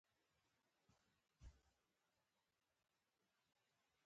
تعلیم نجونو ته د ریسایکل کولو اهمیت ور زده کوي.